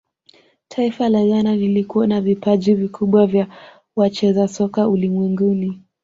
taifa la ghana lilikuwa na vipaji vikubwa vya wacheza soka ulimwenguni